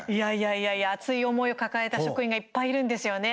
いやいや熱い思いを抱えた職員がいっぱいいるんですよね。